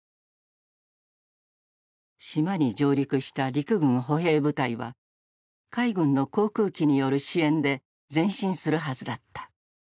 島に上陸した陸軍歩兵部隊は海軍の航空機による支援で前進するはずだった。